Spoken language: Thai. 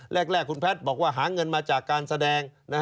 แรกคุณแพทย์บอกว่าหาเงินมาจากการแสดง